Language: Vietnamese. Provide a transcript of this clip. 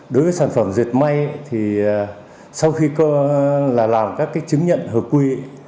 đối với sản phẩm diệt may sau khi làm các chứng nhận hợp quy